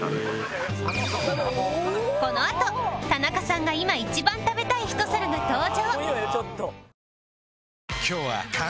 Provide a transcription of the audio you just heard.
このあと田中さんがいま一番食べたい一皿が登場！